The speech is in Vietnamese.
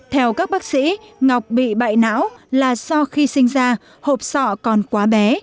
theo các bác sĩ ngọc bị bại não là do khi sinh ra hộp sọ còn quá bé